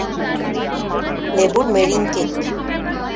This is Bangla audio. লেবুর মেরিং কেক।